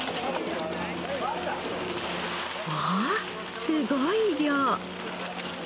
わあすごい量！